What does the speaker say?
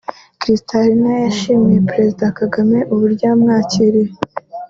Kristalina yashimiye Perezida Kagame uburyo yamwakiriye